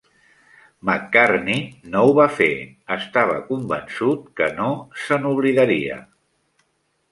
McCartney no ho va fer; estava convençut que no se n'oblidaria.